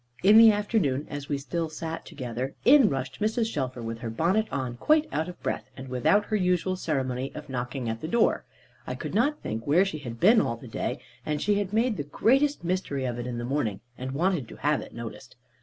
In the afternoon, as we still sat together, in rushed Mrs. Shelfer with her bonnet on, quite out of breath, and without her usual ceremony of knocking at the door. I could not think where she had been all the day; and she had made the greatest mystery of it in the morning, and wanted to have it noticed.